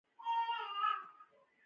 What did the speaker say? خلکو د خپل معافیت لوړولو لپاره